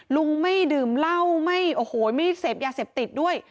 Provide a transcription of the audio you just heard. ลุงไม่ดื่มเหล้าไม่เสพยาเสพติดด้วย